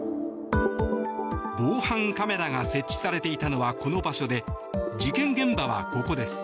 防犯カメラが設置されていたのはこの場所で事件現場はここです。